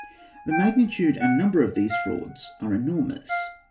The magnitude and number of these frauds are enormous.